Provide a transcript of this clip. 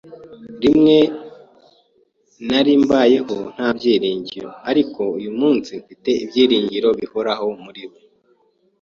Rimwe narimbayeho ntabyiringiro, ariko uyu munsi mfite ibyiringiro bihoraho muri we.